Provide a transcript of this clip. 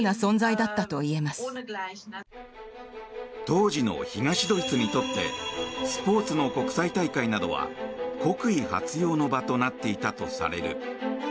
当時の東ドイツにとってスポーツの国際大会などは国威発揚の場となっていたとされる。